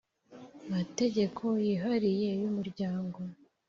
mategeko yihariye y umuryango